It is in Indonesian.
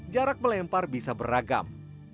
jarak melempar bisa beragam